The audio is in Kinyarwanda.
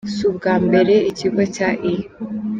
Si ubwa mbere ikigo cya E.